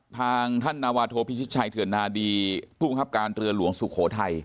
ทางท่านนาวาโตพีชิตชัยเถิร์นนาดีผู้ค้ำการเรือลวงสุโขไทย